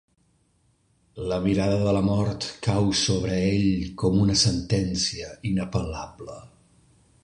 La mirada de la mort cau sobre ell com una sentència inapel·lable.